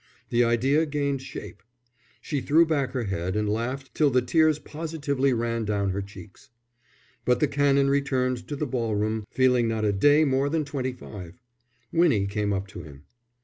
The idea gained shape. She threw back her head and laughed till the tears positively ran down her cheeks. But the Canon returned to the ball room feeling not a day more than twenty five. Winnie came up to him.